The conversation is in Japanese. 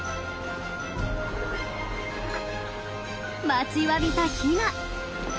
待ちわびたヒナ。